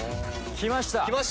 きました！